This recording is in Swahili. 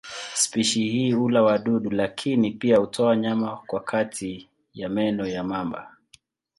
Spishi hii hula wadudu lakini pia hutoa nyama kwa kati ya meno ya mamba.